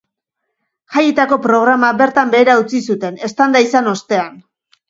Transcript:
Jaietako programa bertan behera utzi zuten, eztanda izan ostean.